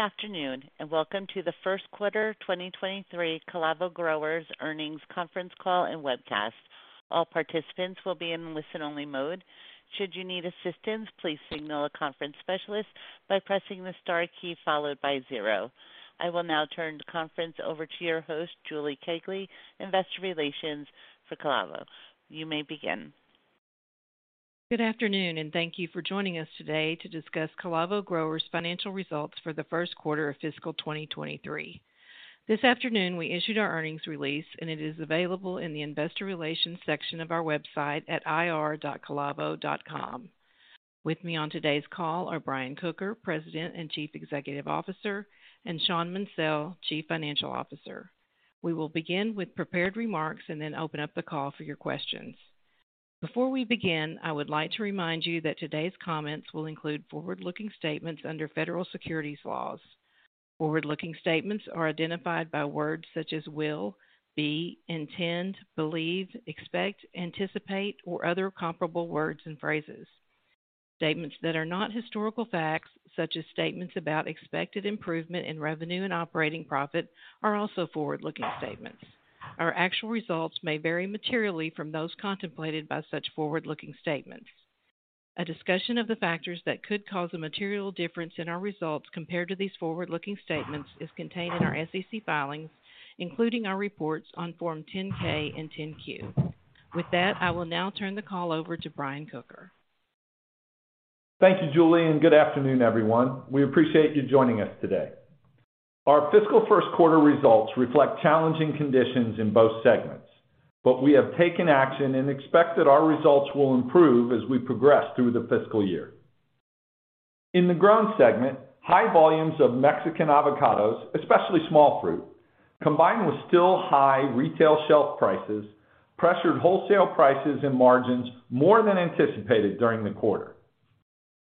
Good afternoon, welcome to the Q1 2023 Calavo Growers earnings conference call and webcast. All participants will be in listen-only mode. Should you need assistance, please signal a conference specialist by pressing the star key followed by zero. I will now turn the conference over to your host, Julie Kegley, Investor Relations for Calavo. You may begin. Good afternoon, thank you for joining us today to discuss Calavo Growers financial results for the Q1 of fiscal 2023. This afternoon, we issued our earnings release, and it is available in the investor relations section of our website at ir.calavo.com. With me on today's call are Brian Kocher, President and Chief Executive Officer, and Shawn Munsell, Chief Financial Officer. We will begin with prepared remarks and then open up the call for your questions. Before we begin, I would like to remind you that today's comments will include forward-looking statements under Federal Securities laws. Forward-looking statements are identified by words such as will, be, intend, believe, expect, anticipate, or other comparable words and phrases. Statements that are not historical facts, such as statements about expected improvement in revenue and operating profit, are also forward-looking statements. Our actual results may vary materially from those contemplated by such forward-looking statements. A discussion of the factors that could cause a material difference in our results compared to these forward-looking statements is contained in our SEC filings, including our reports on Form 10-K and 10-Q. With that, I will now turn the call over to Brian Kocher. Thank you, Julie, and good afternoon, everyone. We appreciate you joining us today. Our fiscal Q1 results reflect challenging conditions in both segments, but we have taken action and expect that our results will improve as we progress through the fiscal year. In the Grown segment, high volumes of Mexican avocados, especially small fruit, combined with still high retail shelf prices, pressured wholesale prices and margins more than anticipated during the quarter.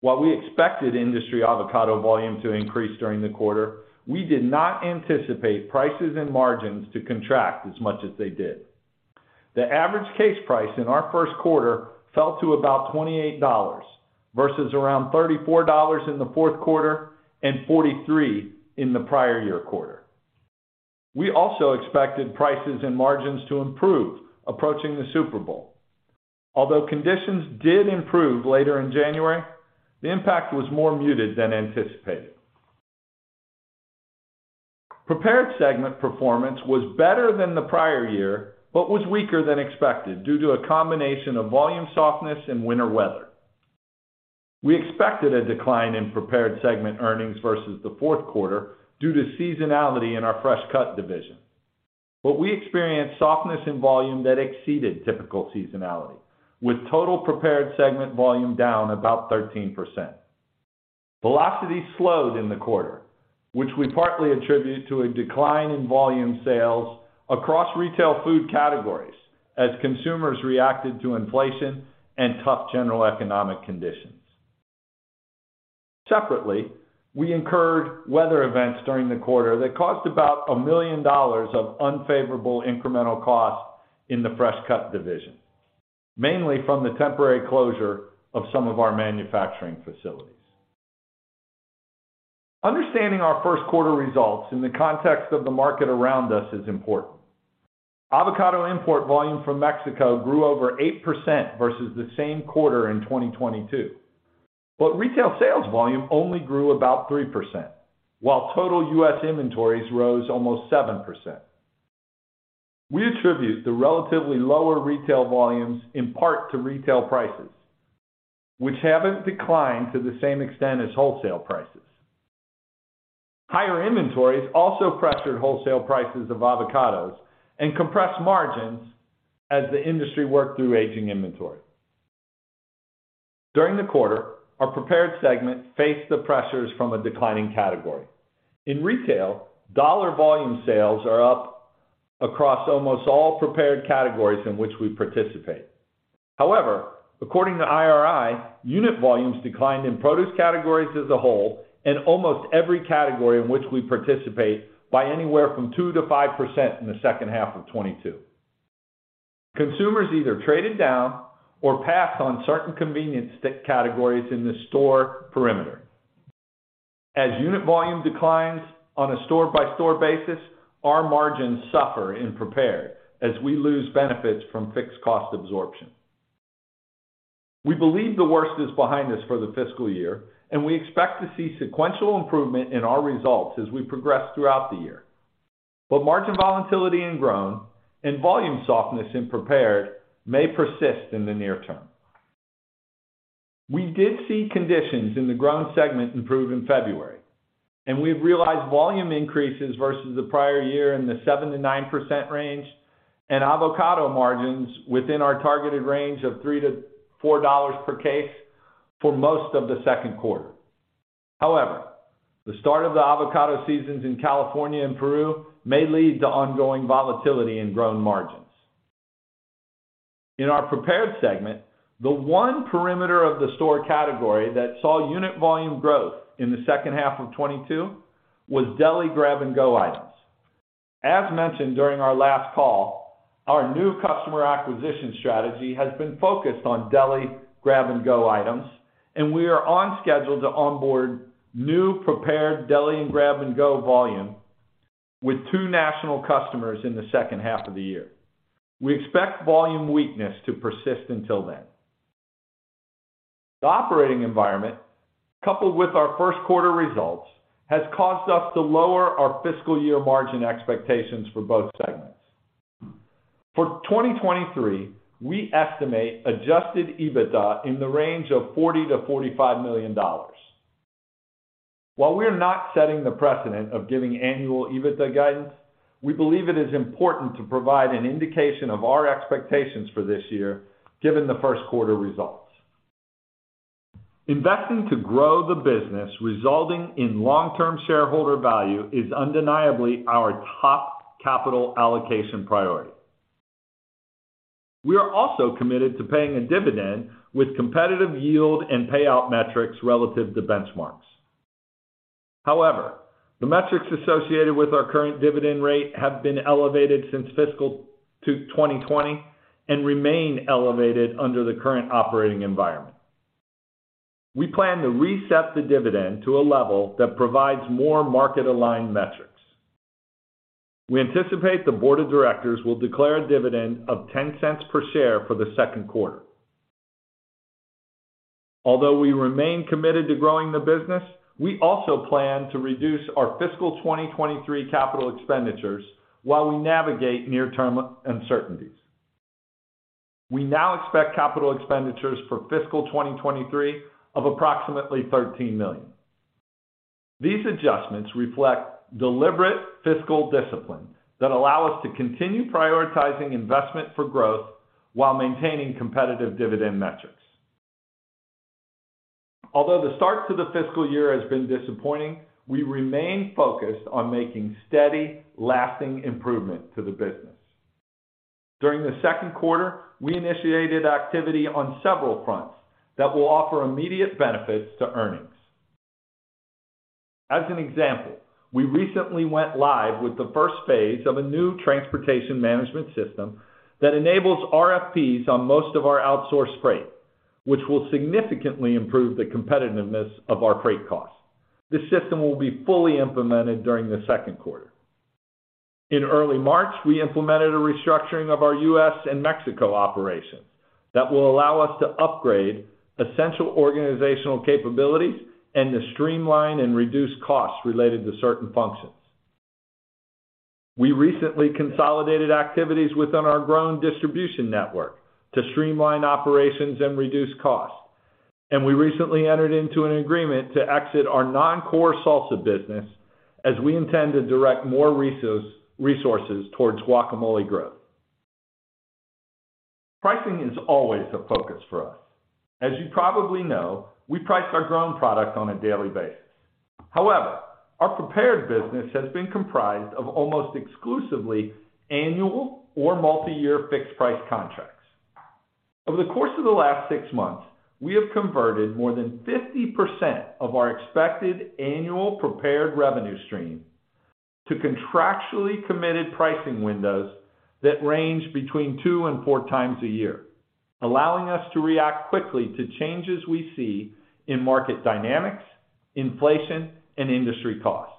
While we expected industry avocado volume to increase during the quarter, we did not anticipate prices and margins to contract as much as they did. The average case price in our Q1 fell to about $28 versus around $34 in the Q4 and $43 in the prior year quarter. We also expected prices and margins to improve approaching the Super Bowl. Conditions did improve later in January, the impact was more muted than anticipated. Prepared segment performance was better than the prior year but was weaker than expected due to a combination of volume softness and winter weather. We expected a decline in Prepared segment earnings versus the Q4 due to seasonality in our Fresh Cut division. We experienced softness in volume that exceeded typical seasonality, with total Prepared segment volume down about 13%. Velocity slowed in the quarter, which we partly attribute to a decline in volume sales across retail food categories as consumers reacted to inflation and tough general economic conditions. Separately, we incurred weather events during the quarter that cost about $1 million of unfavorable incremental costs in the Fresh Cut division, mainly from the temporary closure of some of our manufacturing facilities. Understanding our Q1 results in the context of the market around us is important. Avocado import volume from Mexico grew over 8% versus the same quarter in 2022. Retail sales volume only grew about 3%, while total U.S. inventories rose almost 7%. We attribute the relatively lower retail volumes in part to retail prices, which haven't declined to the same extent as wholesale prices. Higher inventories also pressured wholesale prices of avocados and compressed margins as the industry worked through aging inventory. During the quarter, our Prepared segment faced the pressures from a declining category. In retail, dollar volume sales are up across almost all Prepared categories in which we participate. According to IRI, unit volumes declined in produce categories as a whole and almost every category in which we participate by anywhere from 2%-5% in the second half of 2022. Consumers either traded down or passed on certain convenience categories in the store perimeter. As unit volume declines on a store-by-store basis, our margins suffer in Prepared as we lose benefits from fixed cost absorption. We believe the worst is behind us for the fiscal year, and we expect to see sequential improvement in our results as we progress throughout the year. Margin volatility in Grown and volume softness in Prepared may persist in the near term. We did see conditions in the Grown segment improve in February, and we've realized volume increases versus the prior year in the 7%-9% range and avocado margins within our targeted range of $3-$4 per case for most of the Q2. However, the start of the avocado seasons in California and Peru may lead to ongoing volatility in Grown margins. In our Prepared segment, the one perimeter of the store category that saw unit volume growth in the second half of 2022 was deli grab-and-go items. As mentioned during our last call, our new customer acquisition strategy has been focused on deli grab-and-go items, and we are on schedule to onboard new prepared deli and grab-and-go volume with two national customers in the second half of the year. We expect volume weakness to persist until then. The operating environment, coupled with our Q1 results, has caused us to lower our fiscal year margin expectations for both segments. For 2023, we estimate adjusted EBITDA in the range of $40 million-$45 million. While we are not setting the precedent of giving annual EBITDA guidance, we believe it is important to provide an indication of our expectations for this year given the Q1 results. Investing to grow the business resulting in long-term shareholder value is undeniably our top capital allocation priority. We are also committed to paying a dividend with competitive yield and payout metrics relative to benchmarks. However, the metrics associated with our current dividend rate have been elevated since fiscal to 2020 and remain elevated under the current operating environment. We plan to reset the dividend to a level that provides more market-aligned metrics. We anticipate the board of directors will declare a dividend of $0.10 per share for the Q2. We remain committed to growing the business, we also plan to reduce our fiscal 2023 capital expenditures while we navigate near-term uncertainties. We now expect capital expenditures for fiscal 2023 of approximately $13 million. These adjustments reflect deliberate fiscal discipline that allow us to continue prioritizing investment for growth while maintaining competitive dividend metrics. The start to the fiscal year has been disappointing, we remain focused on making steady, lasting improvement to the business. During the Q2, we initiated activity on several fronts that will offer immediate benefits to earnings. As an example, we recently went live with the first phase of a new transportation management system that enables RFPs on most of our outsourced freight, which will significantly improve the competitiveness of our freight costs. This system will be fully implemented during the Q2. In early March, we implemented a restructuring of our U.S. and Mexico operations that will allow us to upgrade essential organizational capabilities and to streamline and reduce costs related to certain functions. We recently consolidated activities within our grown distribution network to streamline operations and reduce costs. We recently entered into an agreement to exit our non-core salsa business as we intend to direct more resources towards guacamole growth. Pricing is always a focus for us. As you probably know, we price our grown product on a daily basis. However, our prepared business has been comprised of almost exclusively annual or multiyear fixed price contracts. Over the course of the last six months, we have converted more than 50% of our expected annual Prepared revenue stream to contractually committed pricing windows that range between 2x and 4x a year, allowing us to react quickly to changes we see in market dynamics, inflation, and industry costs.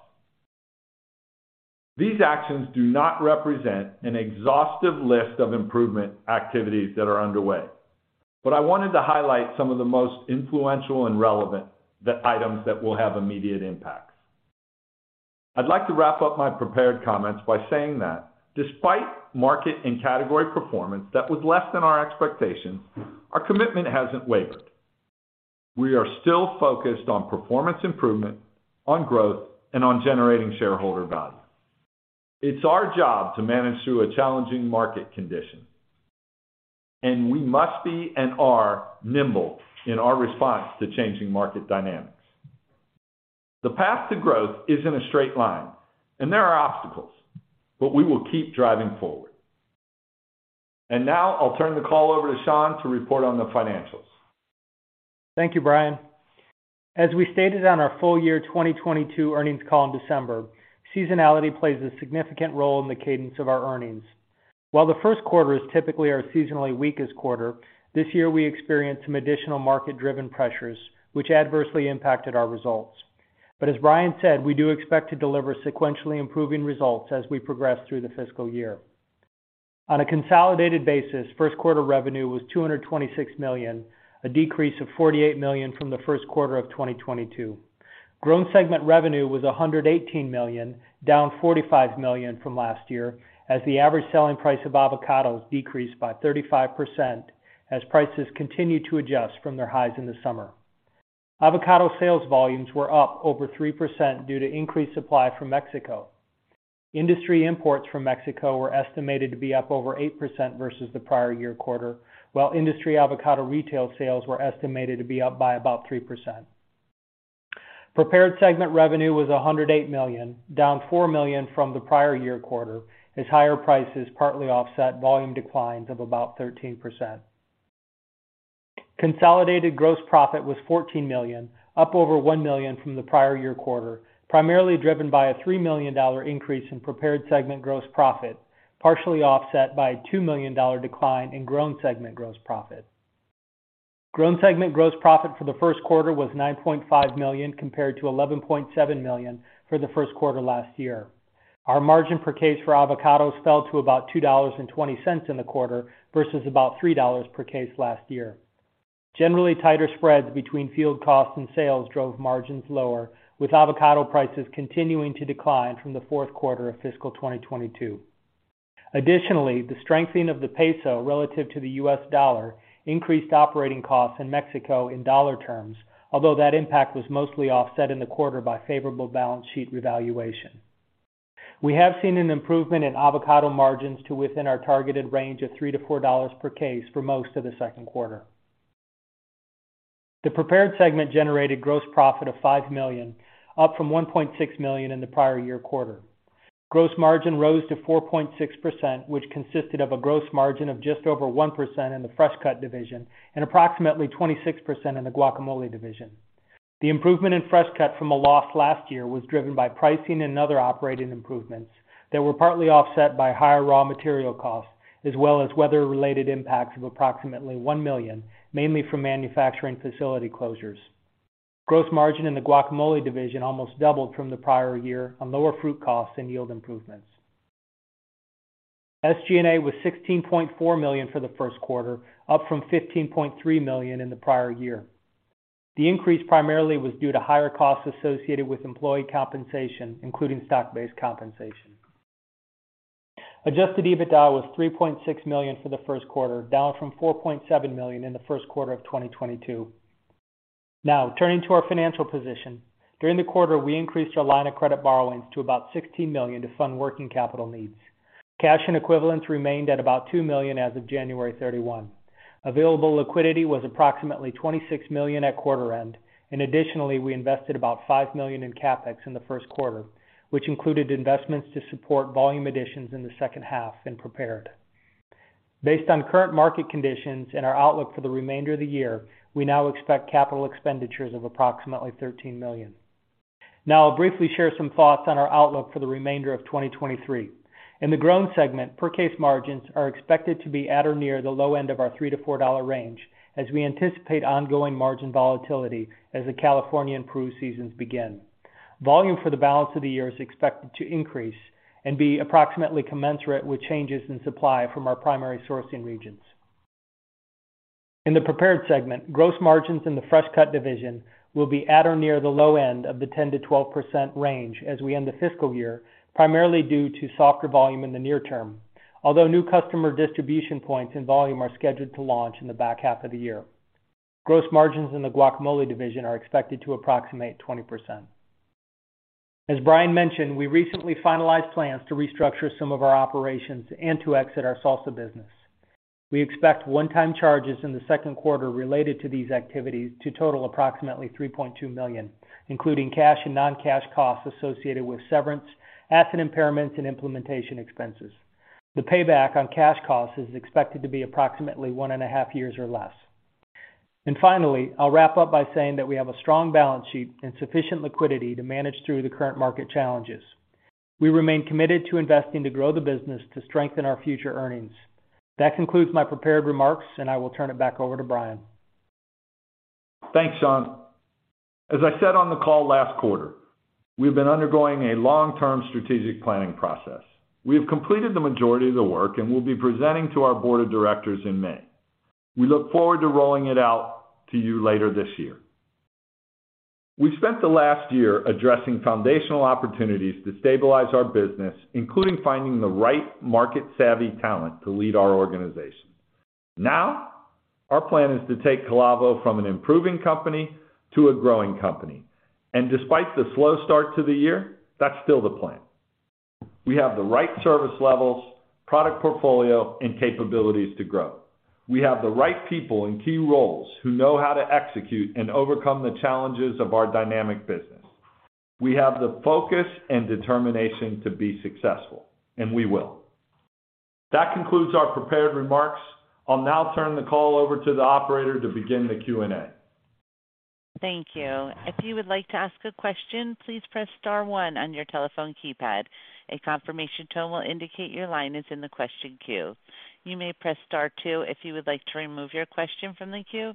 These actions do not represent an exhaustive list of improvement activities that are underway, but I wanted to highlight some of the most influential and relevant, the items that will have immediate impacts. I'd like to wrap up my prepared comments by saying that despite market and category performance that was less than our expectations, our commitment hasn't wavered. We are still focused on performance improvement, on growth, and on generating shareholder value. It's our job to manage through a challenging market condition, and we must be and are nimble in our response to changing market dynamics. The path to growth isn't a straight line, there are obstacles, but we will keep driving forward. Now I'll turn the call over to Shawn to report on the financials. Thank you, Brian. As we stated on our full year 2022 earnings call in December, seasonality plays a significant role in the cadence of our earnings. While the Q1 is typically our seasonally weakest quarter, this year we experienced some additional market-driven pressures which adversely impacted our results. As Brian said, we do expect to deliver sequentially improving results as we progress through the fiscal year. On a consolidated basis, Q1 revenue was $226 million, a decrease of $48 million from the Q1 of 2022. Grown segment revenue was $118 million, down $45 million from last year as the average selling price of avocados decreased by 35% as prices continued to adjust from their highs in the summer. Avocado sales volumes were up over 3% due to increased supply from Mexico. Industry imports from Mexico were estimated to be up over 8% versus the prior year quarter, while industry avocado retail sales were estimated to be up by about 3%. Prepared segment revenue was $108 million, down $4 million from the prior year quarter, as higher prices partly offset volume declines of about 13%. Consolidated gross profit was $14 million, up over $1 million from the prior year quarter, primarily driven by a $3 million increase in Prepared segment gross profit, partially offset by a $2 million decline in Grown segment gross profit. Grown segment gross profit for the Q1 was $9.5 million compared to $11.7 million for the Q1 last year. Our margin per case for avocados fell to about $2.20 in the quarter versus about $3 per case last year. Generally tighter spreads between field costs and sales drove margins lower, with avocado prices continuing to decline from the Q4 of fiscal 2022. The strengthening of the peso relative to the US dollar increased operating costs in Mexico in dollar terms, although that impact was mostly offset in the quarter by favorable balance sheet revaluation. We have seen an improvement in avocado margins to within our targeted range of $3-$4 per case for most of the Q2. The Prepared segment generated gross profit of $5 million, up from $1.6 million in the prior-year quarter. Gross margin rose to 4.6%, which consisted of a gross margin of just over 1% in the Fresh Cut division and approximately 26% in the guacamole division. The improvement in Fresh Cut from a loss last year was driven by pricing and other operating improvements that were partly offset by higher raw material costs, as well as weather-related impacts of approximately $1 million, mainly from manufacturing facility closures. Gross margin in the guacamole division almost doubled from the prior year on lower fruit costs and yield improvements. SG&A was $16.4 million for the Q1, up from $15.3 million in the prior year. The increase primarily was due to higher costs associated with employee compensation, including stock-based compensation. adjusted EBITDA was $3.6 million for the Q1, down from $4.7 million in the Q1 of 2022. Now, turning to our financial position. During the quarter, we increased our line of credit borrowings to about $16 million to fund working capital needs. Cash and equivalents remained at about $2 million as of January 31. Available liquidity was approximately $26 million at quarter end. Additionally, we invested about $5 million in CapEx in the Q1, which included investments to support volume additions in the second half in Prepared. Based on current market conditions and our outlook for the remainder of the year, we now expect capital expenditures of approximately $13 million. I'll briefly share some thoughts on our outlook for the remainder of 2023. In the Grown segment, per case margins are expected to be at or near the low end of our $3-$4 range as we anticipate ongoing margin volatility as the California and Peru seasons begin. Volume for the balance of the year is expected to increase and be approximately commensurate with changes in supply from our primary sourcing regions. In the Prepared segment, gross margins in the Fresh Cut division will be at or near the low end of the 10%-12% range as we end the fiscal year, primarily due to softer volume in the near term. Although new customer distribution points and volume are scheduled to launch in the back half of the year. Gross margins in the guacamole division are expected to approximate 20%. As Brian mentioned, we recently finalized plans to restructure some of our operations and to exit our salsa business. We expect one-time charges in the Q2 related to these activities to total approximately $3.2 million, including cash and non-cash costs associated with severance, asset impairments, and implementation expenses. The payback on cash costs is expected to be approximately one and a half years or less. Finally, I'll wrap up by saying that we have a strong balance sheet and sufficient liquidity to manage through the current market challenges. We remain committed to investing to grow the business to strengthen our future earnings. That concludes my prepared remarks. I will turn it back over to Brian. Thanks, Shawn. As I said on the call last quarter, we've been undergoing a long-term strategic planning process. We have completed the majority of the work and we'll be presenting to our Board of Directors in May. We look forward to rolling it out to you later this year. We spent the last year addressing foundational opportunities to stabilize our business, including finding the right market savvy talent to lead our organization. Now, our plan is to take Calavo from an improving company to a growing company. Despite the slow start to the year, that's still the plan. We have the right service levels, product portfolio, and capabilities to grow. We have the right people in key roles who know how to execute and overcome the challenges of our dynamic business. We have the focus and determination to be successful, and we will. That concludes our prepared remarks. I'll now turn the call over to the operator to begin the Q&A. Thank you. If you would like to ask a question, please press star one on your telephone keypad. A confirmation tone will indicate your line is in the question queue. You may press Star two if you would like to remove your question from the queue.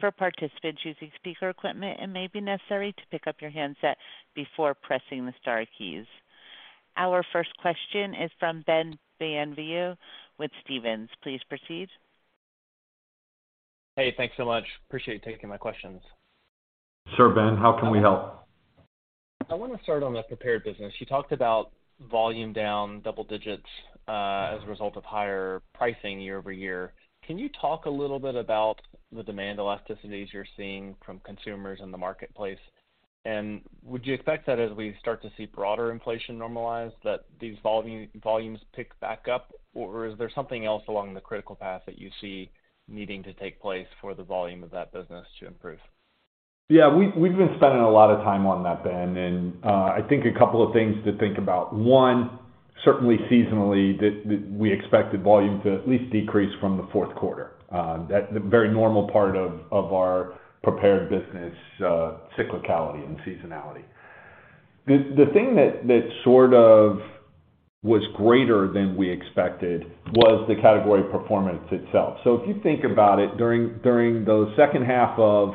For participants using speaker equipment, it may be necessary to pick up your handset before pressing the star keys. Our first question is from Ben Bienvenu with Stephens. Please proceed. Hey, thanks so much. Appreciate you taking my questions. Sure, Ben, how can we help? I wanna start on the Prepared business. You talked about volume down double digits, as a result of higher pricing year-over-year. Can you talk a little bit about the demand elasticities you're seeing from consumers in the marketplace? Would you expect that as we start to see broader inflation normalize, that these volumes pick back up? Is there something else along the critical path that you see needing to take place for the volume of that business to improve? Yeah, we've been spending a lot of time on that, Ben. I think a couple of things to think about. One, certainly seasonally we expected volume to at least decrease from the Q4. The very normal part of our Prepared business, cyclicality and seasonality. The thing that sort of was greater than we expected was the category performance itself. If you think about it, during the second half of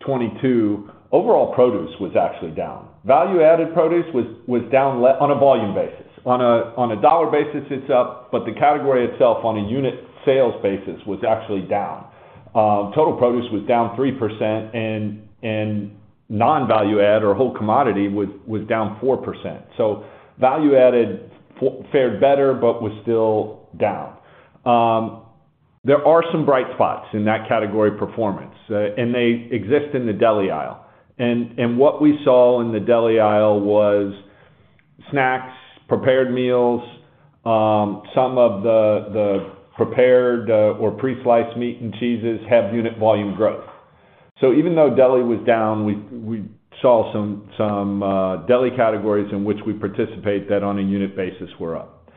2022, overall produce was actually down. Value-added produce was down on a volume basis. On a dollar basis, it's up, the category itself on a unit sales basis was actually down. Total produce was down 3% and non-value add or whole commodity was down 4%. Value added fared better, was still down. There are some bright spots in that category performance, and they exist in the deli aisle. What we saw in the deli aisle was snacks, prepared meals, some of the Prepared, or pre-sliced meat and cheeses have unit volume growth. Even though deli was down, we saw some deli categories in which we participate that on a unit basis were up.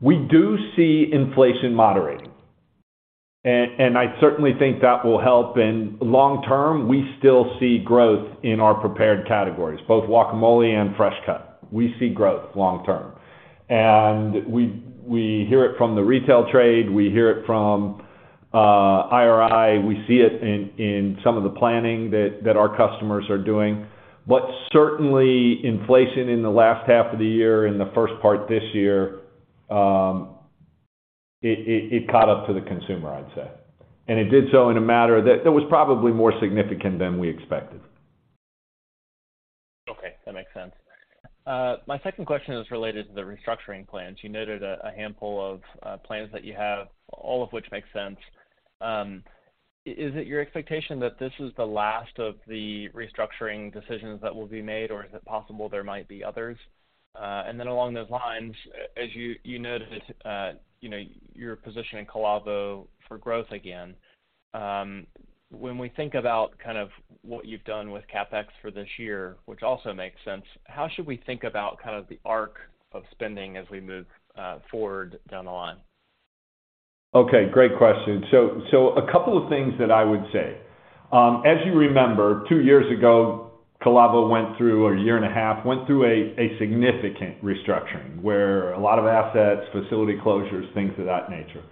We do see inflation moderating. I certainly think that will help in long term, we still see growth in our Prepared categories, both guacamole and Fresh Cut. We see growth long term. We hear it from the retail trade, we hear it from IRI. We see it in some of the planning that our customers are doing. Certainly inflation in the last half of the year, in the first part this year, it caught up to the consumer, I'd say. It did so in a matter that was probably more significant than we expected. That makes sense. My second question is related to the restructuring plans. You noted a handful of plans that you have, all of which make sense. Is it your expectation that this is the last of the restructuring decisions that will be made, or is it possible there might be others? Then along those lines, as you noted, you know, you're positioning Calavo for growth again. When we think about kind of what you've done with CapEx for this year, which also makes sense, how should we think about kind of the arc of spending as we move forward down the line? Okay, great question. A couple of things that I would say. As you remember, two years ago, Calavo went through, or a year and a half, went through a significant restructuring where a lot of assets, facility closures, things of that nature.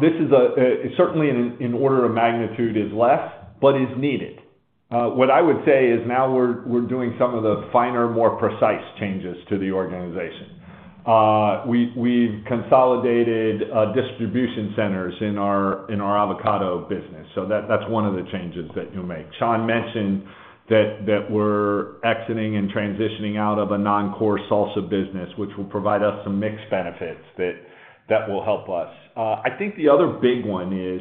This is certainly in order of magnitude is less, but is needed. What I would say is now we're doing some of the finer, more precise changes to the organization. We've consolidated distribution centers in our avocado business, so that's one of the changes that you make. Shawn mentioned that we're exiting and transitioning out of a non-core salsa business, which will provide us some mix benefits that will help us. I think the other big one is,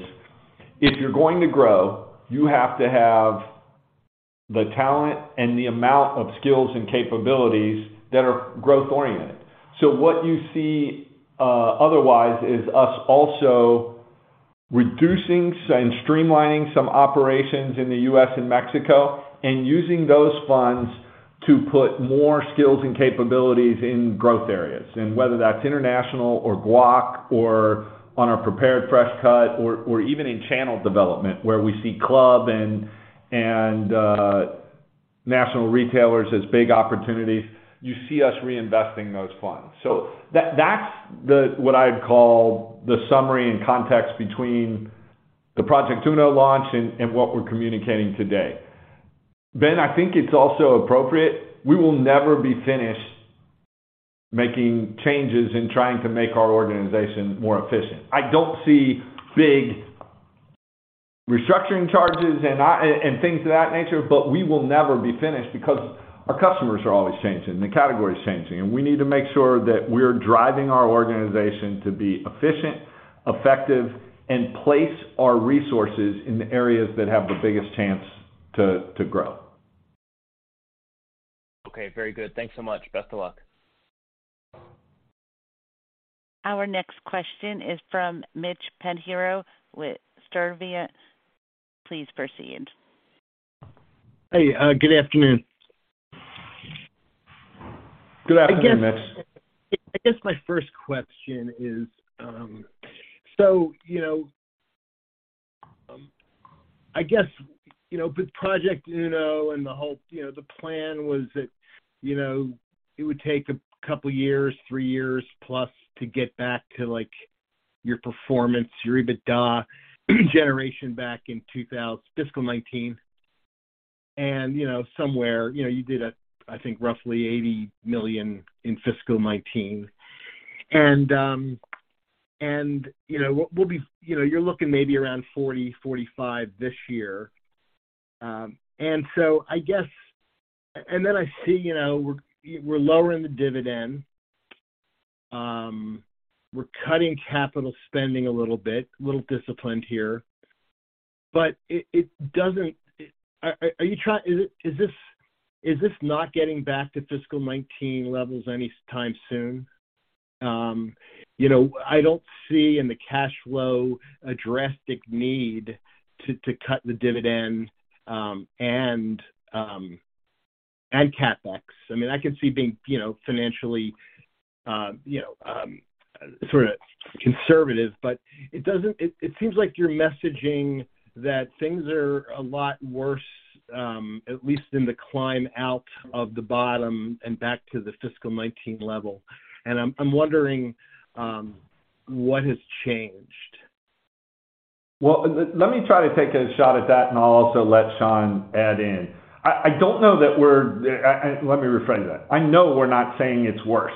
if you're going to grow, you have to have the talent and the amount of skills and capabilities that are growth-oriented. What you see otherwise is us also reducing and streamlining some operations in the U.S. and Mexico and using those funds to put more skills and capabilities in growth areas. Whether that's international or guac or on our Prepared Fresh Cut or even in channel development, where we see club and national retailers as big opportunities, you see us reinvesting those funds. That's the what I'd call the summary and context between the Project Uno launch and what we're communicating today. Ben, I think it's also appropriate, we will never be finished making changes and trying to make our organization more efficient. I don't see big restructuring charges and things of that nature. We will never be finished because our customers are always changing, the category is changing. We need to make sure that we're driving our organization to be efficient, effective, and place our resources in the areas that have the biggest chance to grow. Okay. Very good. Thanks so much. Best of luck. Our next question is from Mitch Pinheiro with Sturdivant. Please proceed. Hey, good afternoon. Good afternoon, Mitch. I guess my first question is, I guess, with Project Uno and the whole, the plan was that, it would take a couple of years, three years plus to get back to like your performance, your EBITDA generation back in fiscal 2019. Somewhere, you did, I think roughly $80 million in fiscal 2019. We'll be, you're looking maybe around $40 million-$45 million this year. I see, we're lowering the dividend. We're cutting capital spending a little bit, a little disciplined here. Is this not getting back to fiscal 2019 levels anytime soon? You know, I don't see in the cash flow a drastic need to cut the dividend, and CapEx. I mean, I can see being, you know, financially, you know, sort of conservative, it seems like you're messaging that things are a lot worse, at least in the climb out of the bottom and back to the fiscal 2019 level. I'm wondering, what has changed? Well, let me try to take a shot at that, and I'll also let Shawn add in. I know we're not saying it's worse.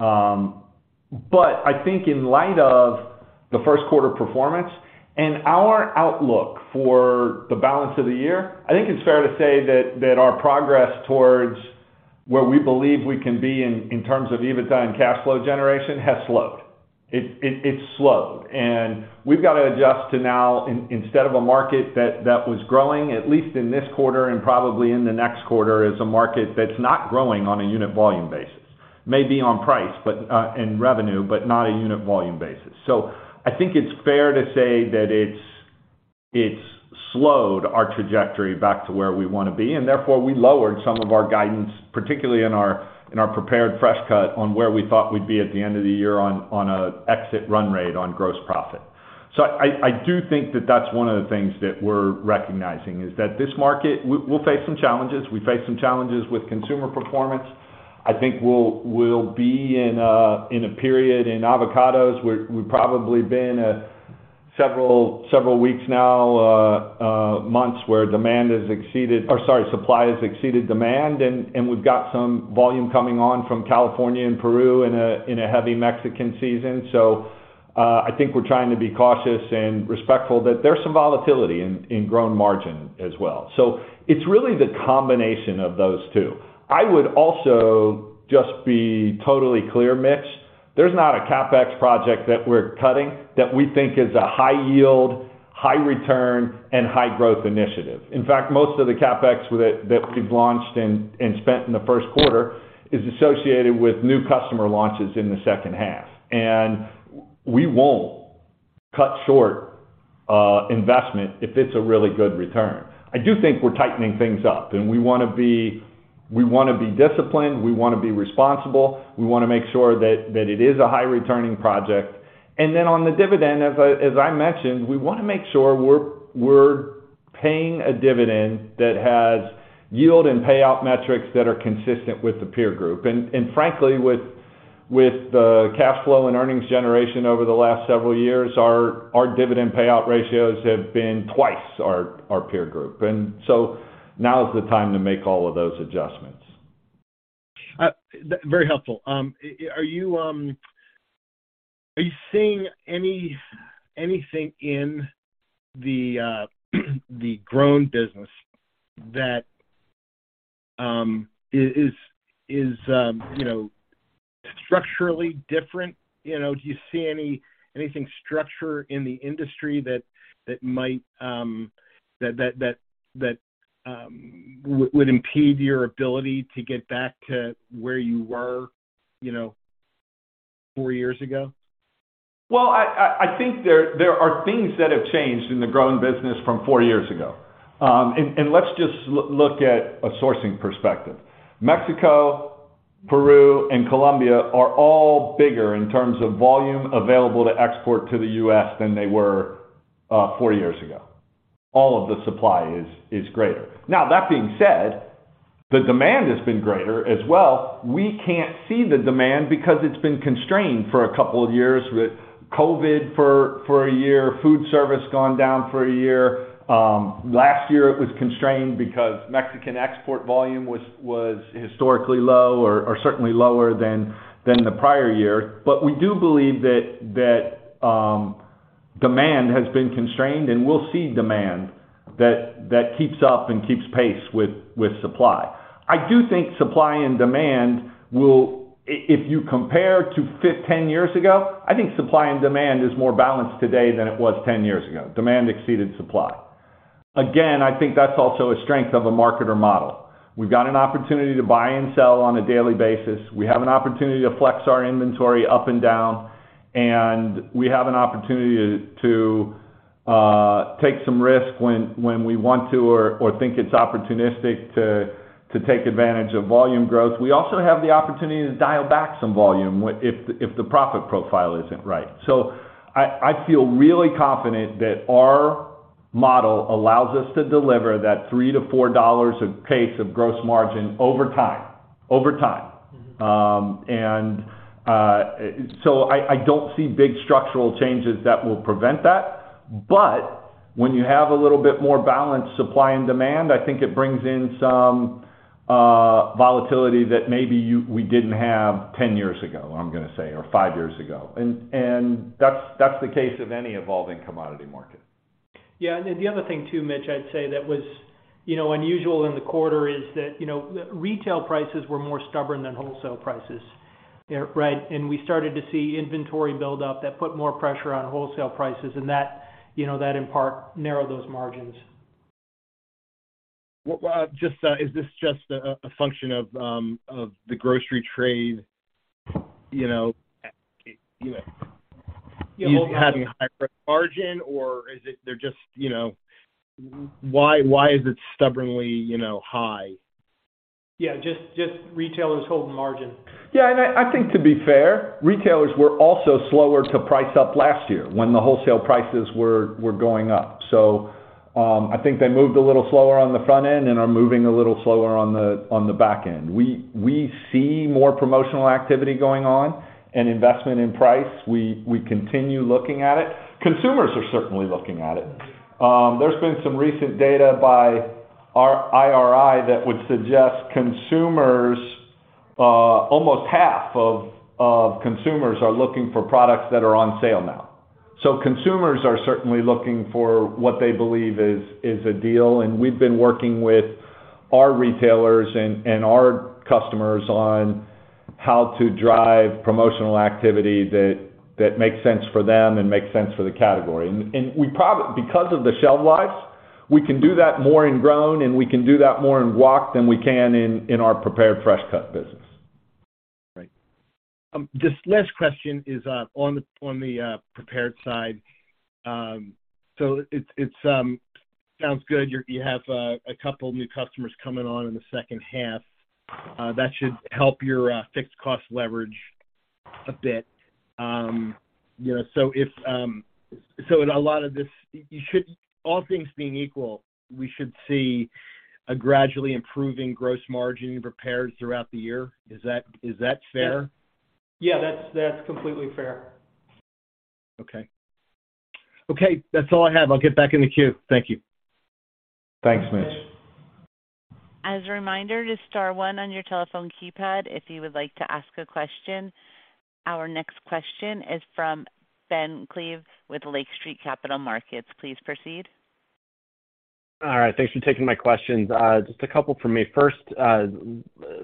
I think in light of the Q1 performance and our outlook for the balance of the year, I think it's fair to say that our progress towards where we believe we can be in terms of EBITDA and cash flow generation has slowed. It's slowed. We've got to adjust to now instead of a market that was growing, at least in this quarter and probably in the next quarter, is a market that's not growing on a unit volume basis. Maybe on price, but in revenue, but not a unit volume basis. I think it's fair to say that it's slowed our trajectory back to where we wanna be, and therefore we lowered some of our guidance, particularly in our Prepared Fresh Cut on an exit run rate on gross profit. I do think that that's one of the things that we're recognizing, is that this market, we'll face some challenges. We face some challenges with consumer performance. I think we'll be in a period in avocados where we've probably been several weeks now, months where supply has exceeded demand, and we've got some volume coming on from California and Peru in a heavy Mexican season. I think we're trying to be cautious and respectful that there's some volatility in Grown margin as well. It's really the combination of those two. I would also just be totally clear, Mitch, there's not a CapEx project that we're cutting that we think is a high yield, high return, and high growth initiative. In fact, most of the CapEx that we've launched and spent in the Q1 is associated with new customer launches in the second half. We won't cut short investment if it's a really good return. I do think we're tightening things up, and we wanna be disciplined, we wanna be responsible, we wanna make sure that it is a high returning project. On the dividend, as I mentioned, we wanna make sure we're paying a dividend that has yield and payoff metrics that are consistent with the peer group. Frankly, with the cash flow and earnings generation over the last several years, our dividend payout ratios have been twice our peer group. Now is the time to make all of those adjustments. very helpful. Are you seeing anything in the Grown business that is, you know, structurally different? You know, do you see anything structure in the industry that might impede your ability to get back to where you were, you know, four years ago? I think there are things that have changed in the Grown business from four years ago. Let's just look at a sourcing perspective. Mexico, Peru, and Colombia are all bigger in terms of volume available to export to the U.S. than they were four years ago. All of the supply is greater. That being said, the demand has been greater as well. We can't see the demand because it's been constrained for two years with COVID for a year, food service gone down for a year. Last year it was constrained because Mexican export volume was historically low or certainly lower than the prior year. We do believe that demand has been constrained, and we'll see demand that keeps up and keeps pace with supply. If you compare to 10 years ago, I think supply and demand is more balanced today than it was 10 years ago. Demand exceeded supply. I think that's also a strength of a marketer model. We've got an opportunity to buy and sell on a daily basis. We have an opportunity to flex our inventory up and down, and we have an opportunity to take some risk when we want to or think it's opportunistic to take advantage of volume growth. We also have the opportunity to dial back some volume if the profit profile isn't right. I feel really confident that our model allows us to deliver that $3-$4 a case of gross margin over time. Mm-hmm. I don't see big structural changes that will prevent that. When you have a little bit more balanced supply and demand, I think it brings in some volatility that maybe we didn't have 10 years ago or five years ago. That's the case of any evolving commodity market. Yeah. The other thing too, Mitch, I'd say that was, you know, unusual in the quarter is that, you know, retail prices were more stubborn than wholesale prices. Right. We started to see inventory build up that put more pressure on wholesale prices, and that, you know, that in part narrowed those margins. Well, is this just a function of the grocery trade, you know? Yeah. you've had in high margin, or is it they're just, you know, why is it stubbornly, you know, high? Yeah, just retailers holding margin. I think to be fair, retailers were also slower to price up last year when the wholesale prices were going up. I think they moved a little slower on the front end and are moving a little slower on the back end. We see more promotional activity going on and investment in price. We continue looking at it. Consumers are certainly looking at it. There's been some recent data by our IRI that would suggest consumers almost half of consumers are looking for products that are on sale now. Consumers are certainly looking for what they believe is a deal, and we've been working with our retailers and our customers on how to drive promotional activity that makes sense for them and makes sense for the category. We because of the shelf lives, we can do that more in Grown, and we can do that more in guac than we can in our Prepared Fresh Cut business. Right. This last question is on the Prepared side. It's sounds good. You have a couple of new customers coming on in the second half that should help your fixed cost leverage a bit. You know, if in a lot of this, all things being equal, we should see a gradually improving gross margin in Prepared throughout the year. Is that fair? Yes. Yeah, that's completely fair. Okay, that's all I have. I'll get back in the queue. Thank you. Thanks, Mitch. As a reminder, just star one on your telephone keypad if you would like to ask a question. Our next question is from Ben Klieve with Lake Street Capital Markets. Please proceed. All right. Thanks for taking my questions. Just a couple from me. First,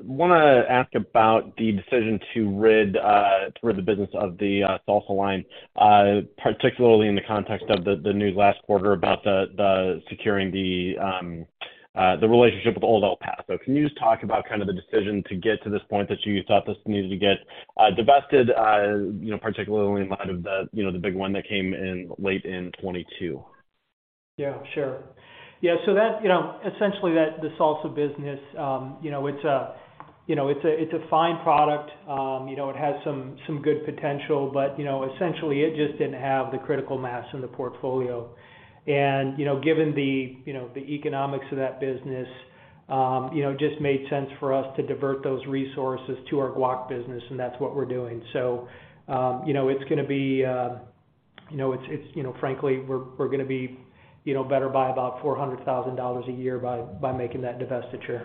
wanna ask about the decision to rid the business of the salsa line, particularly in the context of the news last quarter about the securing the relationship with Old El Paso. Can you just talk about kind of the decision to get to this point that you thought this needed to get divested, you know, particularly in light of the, you know, the big one that came in late in 2022? Yeah, sure. Yeah, so that, you know, essentially that, the salsa business, you know, it's a, you know, it's a fine product. You know, it has some good potential but, you know, essentially it just didn't have the critical mass in the portfolio. You know, given the, you know, the economics of that business, you know, it just made sense for us to divert those resources to our guac business, and that's what we're doing. You know, it's gonna be, you know, it's, you know, frankly, we're gonna be, you know, better by about $400,000 a year by making that divestiture.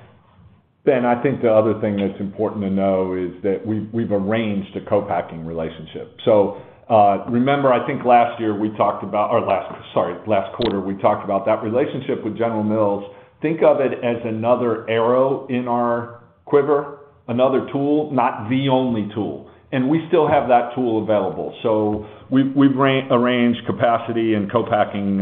Ben, I think the other thing that's important to know is that we've arranged a co-packing relationship. Remember, I think last year we talked about last quarter, we talked about that relationship with General Mills. Think of it as another arrow in our quiver, another tool, not the only tool. We still have that tool available. We've arranged capacity and co-packing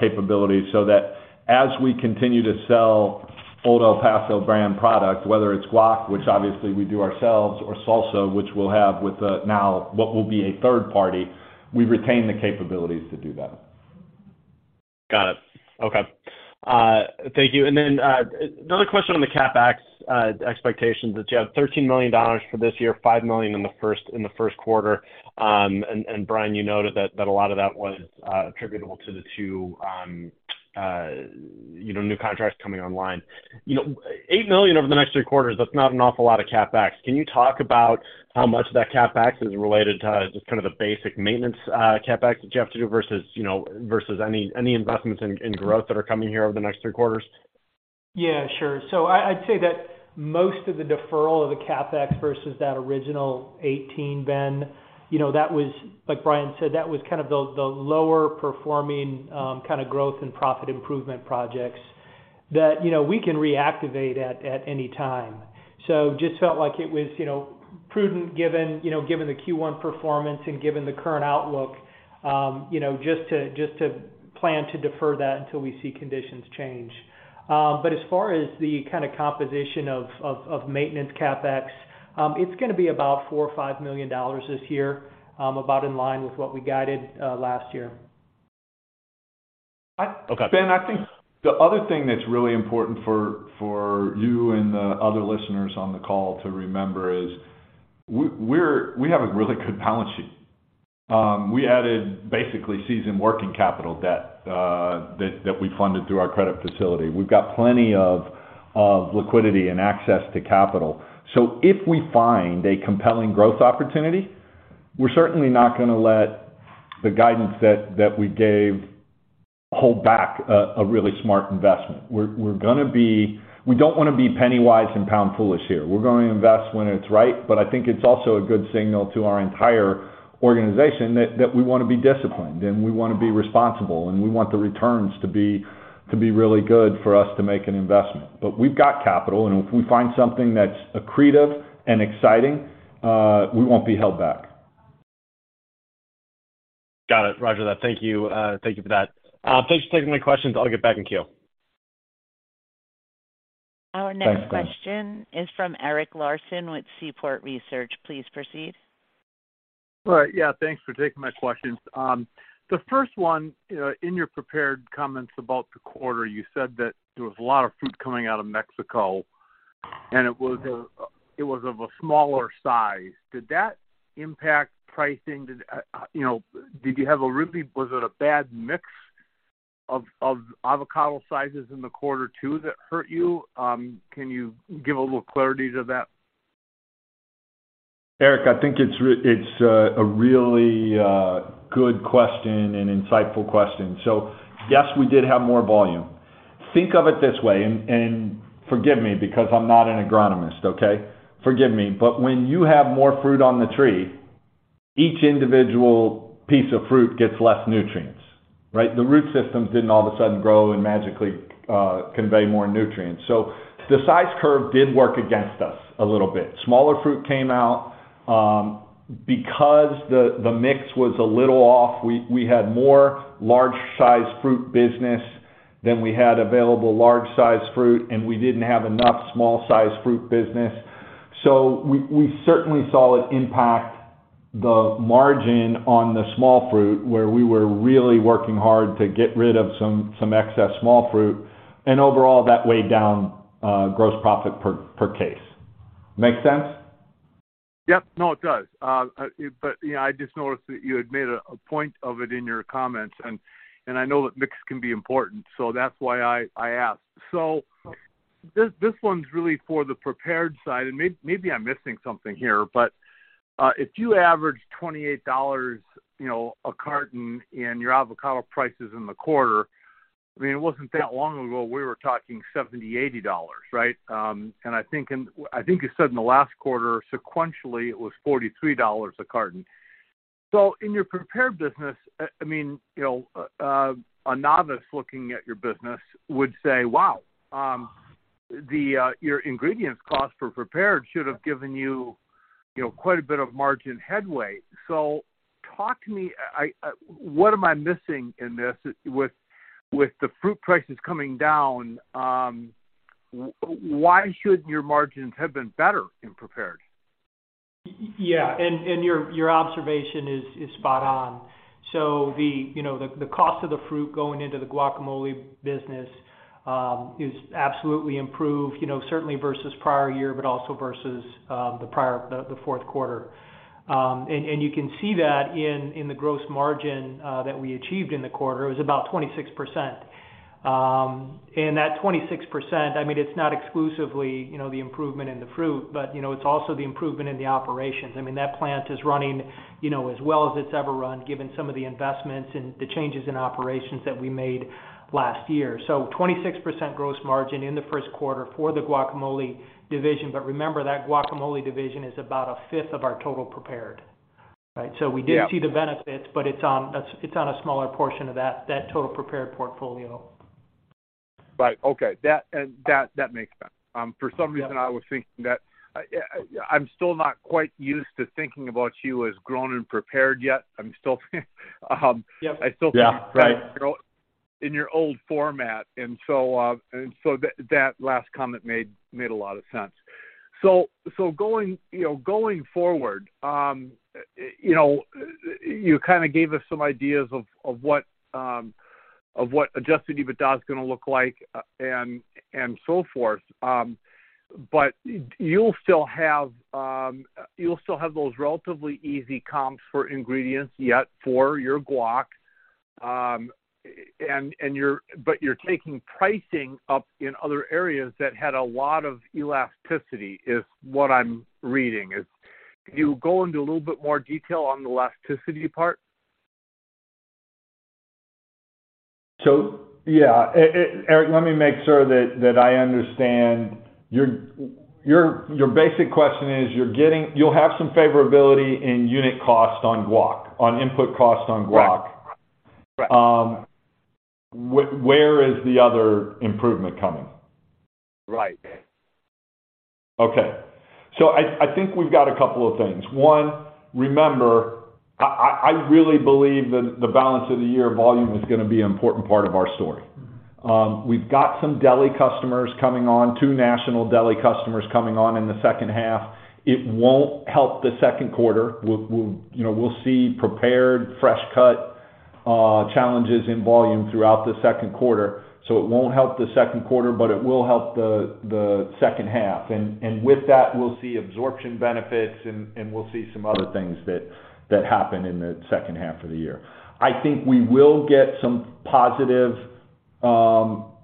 capabilities so that as we continue to sell Old El Paso brand product, whether it's guac, which obviously we do ourselves, or salsa, which we'll have with now, what will be a third party, we retain the capabilities to do that. Got it. Okay. Thank you. Then, another question on the CapEx expectations that you have $13 million for this year, $5 million in the Q1. Brian, you noted that a lot of that was attributable to the two, you know, new contracts coming online. You know, $8 million over the next three quarters, that's not an awful lot of CapEx. Can you talk about how much of that CapEx is related to just kind of the basic maintenance CapEx that you have to do versus, you know, versus any investments in growth that are coming here over the next three quarters? Sure. I'd say that most of the deferral of the CapEx versus that original $18 million, Ben, you know, that was, like Brian said, that was kind of the lower performing, kinda growth and profit improvement projects that, you know, we can reactivate at any time. Just felt like it was, you know, prudent given, you know, given the Q1 performance and given the current outlook, you know, just to plan to defer that until we see conditions change. As far as the kinda composition of, of maintenance CapEx, it's gonna be about $4 million-$5 million this year, about in line with what we guided last year. Okay. Ben, I think the other thing that's really important for you and the other listeners on the call to remember is we have a really good balance sheet. We added basically season working capital debt that we funded through our credit facility. We've got plenty of liquidity and access to capital. If we find a compelling growth opportunity, we're certainly not gonna let the guidance that we gave hold back a really smart investment. We don't wanna be penny-wise and pound-foolish here. We're gonna invest when it's right, I think it's also a good signal to our entire organization that we wanna be disciplined, and we wanna be responsible, and we want the returns to be really good for us to make an investment. We've got capital, and if we find something that's accretive and exciting, we won't be held back. Got it. Roger that. Thank you. Thank you for that. Thanks for taking my questions. I'll get back in queue. Our next question is from Eric Larson with Seaport Research. Please proceed. All right. Yeah, thanks for taking my questions. The first one, in your prepared comments about the quarter, you said that there was a lot of fruit coming out of Mexico, and it was of a smaller size. Did that impact pricing? Did, you know, did you have a bad mix of avocado sizes in the quarter too that hurt you? Can you give a little clarity to that? Eric, I think it's a really good question and insightful question. Yes, we did have more volume. Think of it this way, and forgive me, because I'm not an agronomist, okay? Forgive me. When you have more fruit on the tree, each individual piece of fruit gets less nutrients, right? The root systems didn't all of a sudden grow and magically convey more nutrients. The size curve did work against us a little bit. Smaller fruit came out because the mix was a little off. We had more large-sized fruit business than we had available large-sized fruit, and we didn't have enough small-sized fruit business. We certainly saw it impact the margin on the small fruit, where we were really working hard to get rid of some excess small fruit. Overall, that weighed down, gross profit per case. Make sense? Yep. No, it does. You know, I just noticed that you had made a point of it in your comments, and I know that mix can be important, so that's why I asked. This, this one's really for the Prepared side, and maybe I'm missing something here. If you average $28, you know, a carton in your avocado prices in the quarter, I mean, it wasn't that long ago, we were talking $70, $80, right? I think you said in the last quarter, sequentially, it was $43 a carton. In your Prepared business, I mean, you know, a novice looking at your business would say, "Wow, the, your ingredients cost for Prepared should have given you know, quite a bit of margin headway." Talk to me. I What am I missing in this with the fruit prices coming down, why should your margins have been better in Prepared? Yeah, and your observation is spot on. The, you know, the cost of the fruit going into the guacamole business is absolutely improved, you know, certainly versus prior year, but also versus the prior Q4. And you can see that in the gross margin that we achieved in the quarter. It was about 26%. And that 26%, I mean, it's not exclusively, you know, the improvement in the fruit, but, you know, it's also the improvement in the operations. I mean, that plant is running, you know, as well as it's ever run, given some of the investments and the changes in operations that we made last year. 26% gross margin in the Q1 for the guacamole division. Remember, that guacamole division is about a fifth of our total Prepared, right? Yeah. We did see the benefits, but it's on a smaller portion of that total Prepared portfolio. Right. Okay. That, that makes sense. Yeah... I was thinking that, I'm still not quite used to thinking about you as Grown and Prepared yet. Yeah, right. in your old format and so that last comment made a lot of sense. Going, you know, going forward, you know, you kinda gave us some ideas of what adjusted EBITDA is gonna look like and so forth. But you'll still have those relatively easy comps for ingredients yet for your guac, and you're taking pricing up in other areas that had a lot of elasticity, is what I'm reading. Can you go into a little bit more detail on the elasticity part? Yeah. And Eric, let me make sure that I understand. Your basic question is you'll have some favorability in unit cost on guac, on input cost on guac. Right. Right. Where is the other improvement coming? Right. Okay. I think we've got a couple of things. One, remember, I really believe that the balance of the year volume is gonna be an important part of our story. We've got some deli customers coming on, two national deli customers coming on in the second half. It won't help the Q2. We'll, you know, we'll see Prepared, Fresh Cut challenges in volume throughout the Q2. It won't help the Q2, but it will help the second half. With that, we'll see absorption benefits and we'll see some other things that happen in the second half of the year. I think we will get some positive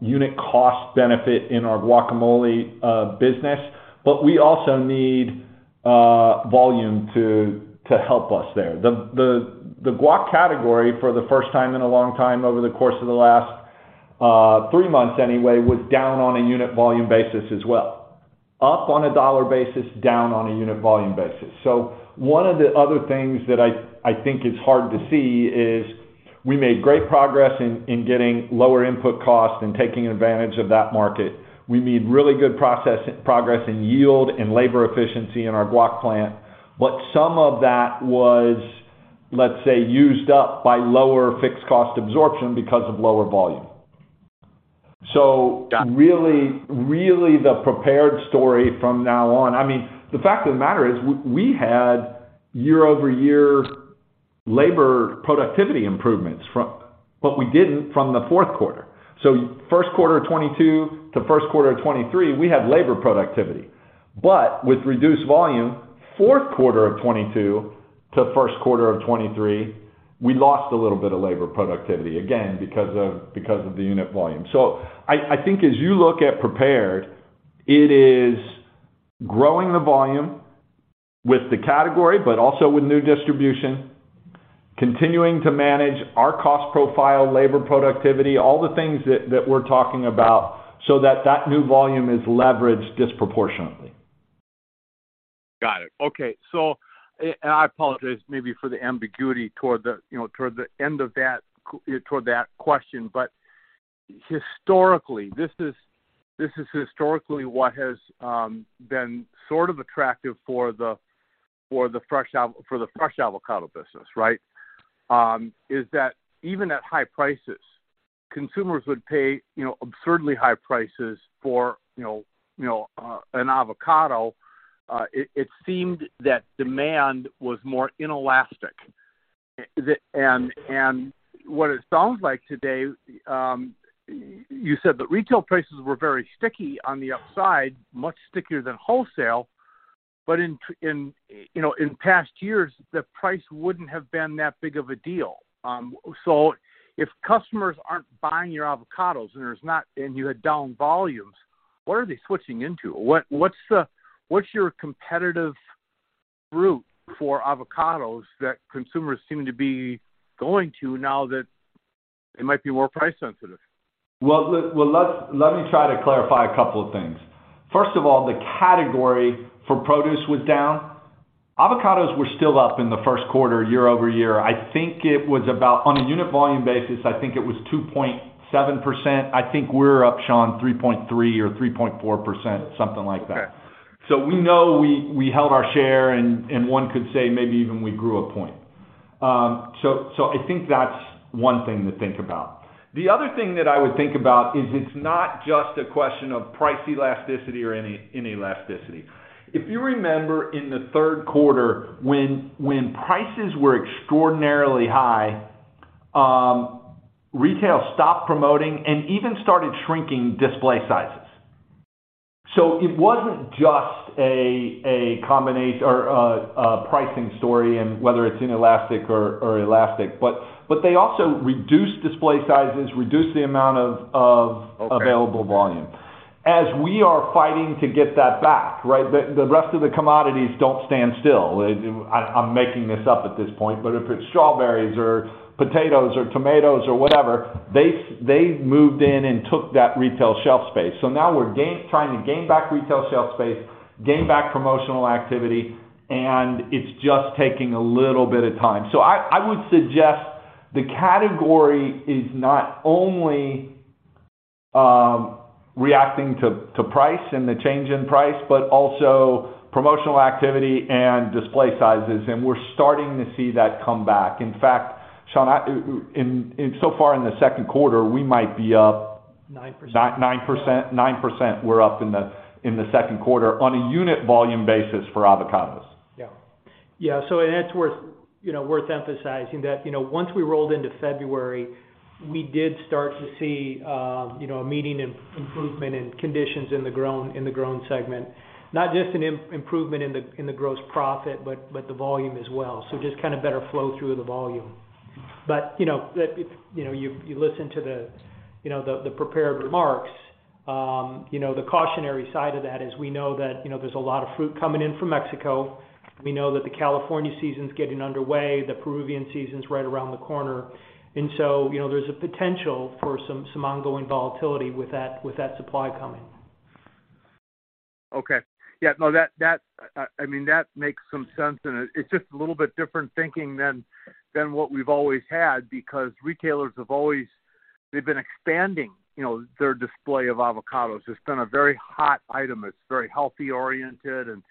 unit cost benefit in our guacamole business, but we also need volume to help us there. The guac category for the first time in a long time, over the course of the last three months anyway, was down on a unit volume basis as well. Up on a dollar basis, down on a unit volume basis. One of the other things that I think is hard to see is. We made great progress in getting lower input costs and taking advantage of that market. We made really good progress in yield and labor efficiency in our guac plant. Some of that was, let's say, used up by lower fixed cost absorption because of lower volume. Got it. Really, the Prepared story from now on... I mean, the fact of the matter is we had year-over-year labor productivity improvements, but we didn't from the Q4. Q1 202-Q1 2023, we had labor productivity. With reduced volume, Q4 of 2022-Q1 of 2023, we lost a little bit of labor productivity, again, because of the unit volume. I think as you look at Prepared, it is growing the volume with the category, but also with new distribution, continuing to manage our cost profile, labor productivity, all the things that we're talking about so that new volume is leveraged disproportionately. Got it. Okay. I apologize maybe for the ambiguity toward the, you know, toward the end of that question. Historically, this is historically what has been sort of attractive for the fresh avocado business, right? Is that even at high prices, consumers would pay, you know, absurdly high prices for, you know, you know, an avocado. It seemed that demand was more inelastic. What it sounds like today, you said the retail prices were very sticky on the upside, much stickier than wholesale. In, you know, in past years, the price wouldn't have been that big of a deal. If customers aren't buying your avocados, and you had down volumes, what are they switching into? What's your competitive route for avocados that consumers seem to be going to now that they might be more price sensitive? Well, let me try to clarify a couple of things. First of all, the category for produce was down. Avocados were still up in the Q1 year-over-year. I think it was about, on a unit volume basis, I think it was 2.7%. I think we're up, Shawn, 3.3% or 3.4%, something like that. Okay. we know we held our share, and one could say maybe even we grew a point. so I think that's one thing to think about. The other thing that I would think about is it's not just a question of price elasticity or inelasticity. If you remember in the Q3 when prices were extraordinarily high, retail stopped promoting and even started shrinking display sizes. it wasn't just a combination or a pricing story and whether it's inelastic or elastic. but they also reduced display sizes, reduced the amount of, Okay available volume. As we are fighting to get that back, right? The rest of the commodities don't stand still. I'm making this up at this point, but if it's strawberries or potatoes or tomatoes or whatever, they've moved in and took that retail shelf space. Now we're trying to gain back retail shelf space, gain back promotional activity, and it's just taking a little bit of time. I would suggest the category is not only reacting to price and the change in price, but also promotional activity and display sizes, and we're starting to see that come back. In fact, Shawn, so far in the Q2, we might be up- 9%. 9%, we're up in the Q2 on a unit volume basis for avocados. Yeah. Yeah. It's worth, you know, worth emphasizing that, you know, once we rolled into February, we did start to see, you know, a median improvement in conditions in the Grown segment. Not just an improvement in the gross profit, but the volume as well. Just kind of better flow through the volume. You know, you listen to the, you know, the Prepared remarks, you know, the cautionary side of that is we know that, you know, there's a lot of fruit coming in from Mexico. We know that the California season's getting underway, the Peruvian season's right around the corner. You know, there's a potential for some ongoing volatility with that supply coming. Okay. Yeah, no, that, I mean, that makes some sense. It, it's just a little bit different thinking than what we've always had because retailers have always been expanding, you know, their display of avocados. It's been a very hot item. It's very healthy oriented and,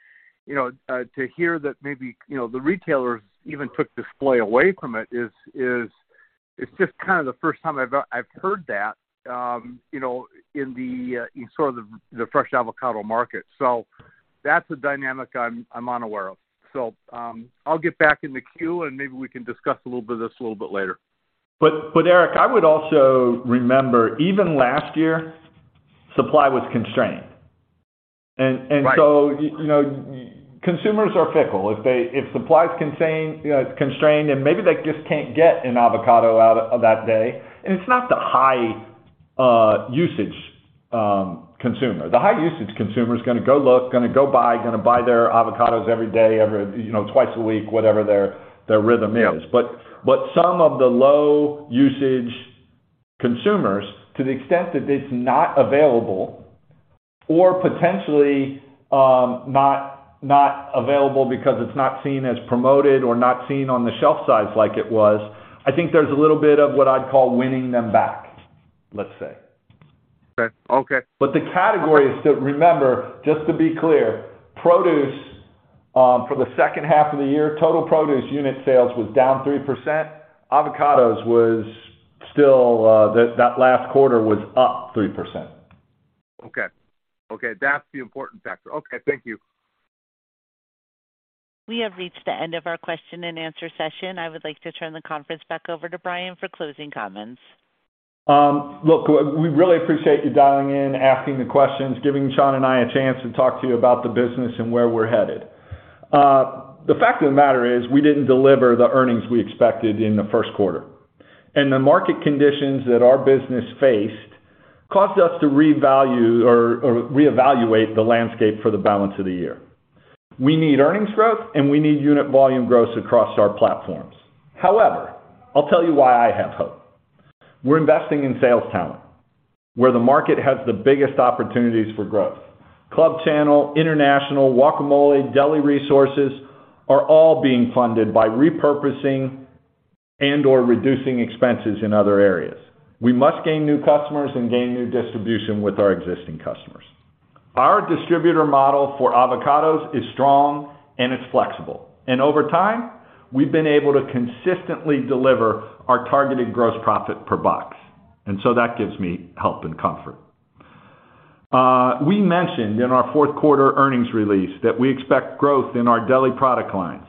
you know, to hear that maybe, you know, the retailers even took display away from it is, it's just kind of the first time I've heard that, you know, in the, in sort of the fresh avocado market. That's a dynamic I'm unaware of. I'll get back in the queue, and maybe we can discuss a little bit of this a little bit later. Eric, I would also remember even last year, supply was constrained. Right. You know, consumers are fickle. If supply is contained, you know, constrained, and maybe they just can't get an avocado out that day, and it's not the high usage consumer. The high usage consumer is gonna go look, gonna go buy their avocados every day, every, you know, twice a week, whatever their rhythm is. Yeah. Some of the low usage consumers, to the extent that it's not available. Or potentially, not available because it's not seen as promoted or not seen on the shelf size like it was. I think there's a little bit of what I'd call winning them back, let's say. Okay. Okay. The categories to remember, just to be clear, produce, for the second half of the year, total produce unit sales was down 3%. Avocados was still, that last quarter was up 3%. Okay. Okay, that's the important factor. Okay, thank you. We have reached the end of our question-and-answer session. I would like to turn the conference back over to Brian for closing comments. Look, we really appreciate you dialing in, asking the questions, giving Shawn and I a chance to talk to you about the business and where we're headed. The fact of the matter is, we didn't deliver the earnings we expected in the Q1. The market conditions that our business faced caused us to revalue or reevaluate the landscape for the balance of the year. We need earnings growth, and we need unit volume growth across our platforms. However, I'll tell you why I have hope. We're investing in sales talent where the market has the biggest opportunities for growth. Club Channel, international, guacamole, deli resources are all being funded by repurposing and/or reducing expenses in other areas. We must gain new customers and gain new distribution with our existing customers. Our distributor model for avocados is strong, and it's flexible. Over time, we've been able to consistently deliver our targeted gross profit per box. So that gives me hope and comfort. We mentioned in our Q4 earnings release that we expect growth in our deli product lines.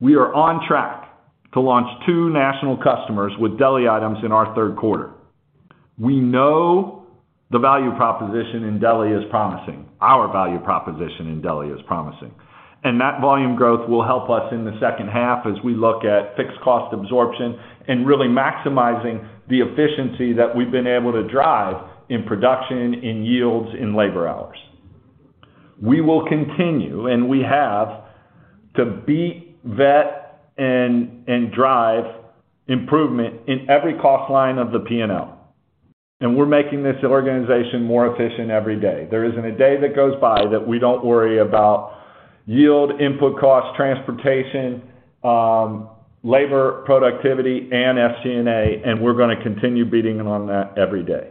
We are on track to launch two national customers with deli items in our Q3. We know the value proposition in deli is promising. Our value proposition in deli is promising. That volume growth will help us in the second half as we look at fixed cost absorption and really maximizing the efficiency that we've been able to drive in production, in yields, in labor hours. We will continue, and we have, to beat, vet, and drive improvement in every cost line of the P&L. We're making this organization more efficient every day. There isn't a day that goes by that we don't worry about yield, input cost, transportation, labor productivity, and FP&A, and we're gonna continue beating them on that every day.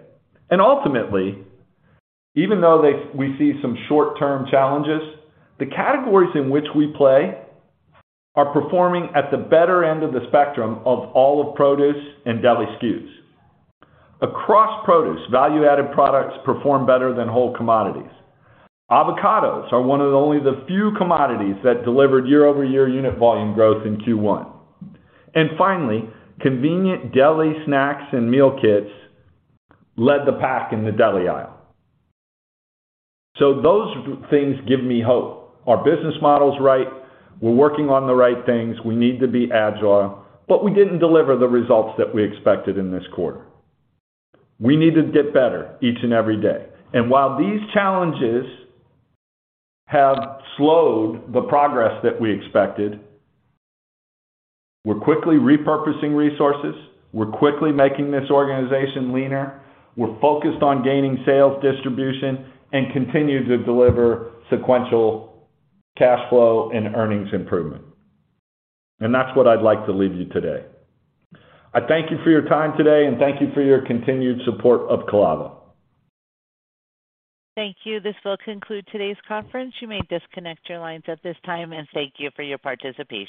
Ultimately, we see some short-term challenges, the categories in which we play are performing at the better end of the spectrum of all of produce and deli SKUs. Across produce, value-added products perform better than whole commodities. Avocados are one of the only the few commodities that delivered year-over-year unit volume growth in Q1. Finally, convenient deli snacks and meal kits led the pack in the deli aisle. Those things give me hope. Our business model's right. We're working on the right things. We need to be agile, we didn't deliver the results that we expected in this quarter. We need to get better each and every day. While these challenges have slowed the progress that we expected, we're quickly repurposing resources. We're quickly making this organization leaner. We're focused on gaining sales distribution and continue to deliver sequential cash flow and earnings improvement. That's what I'd like to leave you today. I thank you for your time today, and thank you for your continued support of Calavo. Thank you. This will conclude today's conference. You may disconnect your lines at this time. Thank you for your participation.